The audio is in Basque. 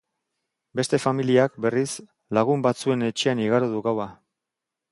Beste familiak, berriz, lagun batzuen etxean igaro du gaua.